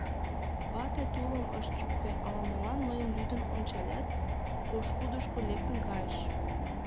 Вате тулым ыш чӱктӧ, ала-молан мыйым лӱдын ончалят, пошкудышко лектын кайыш.